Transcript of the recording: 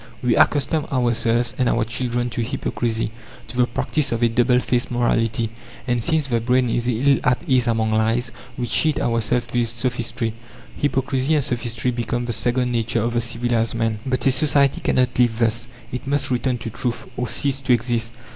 We accustom ourselves and our children to hypocrisy, to the practice of a double faced morality. And since the brain is ill at ease among lies, we cheat ourselves with sophistry. Hypocrisy and sophistry become the second nature of the civilized man. But a society cannot live thus; it must return to truth, or cease to exist.